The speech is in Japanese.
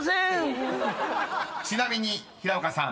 ［ちなみに平岡さん］